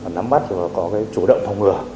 nắm bắt và có chủ động thông tin